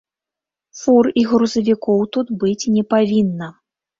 Фур і грузавікоў тут быць не павінна.